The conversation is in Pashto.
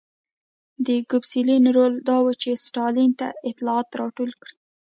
د ګوسپلین رول دا و چې ستالین ته اطلاعات راټول کړي